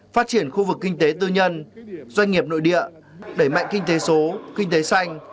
phát triển khu vực kinh tế tư nhân doanh nghiệp nội địa đẩy mạnh kinh tế số kinh tế xanh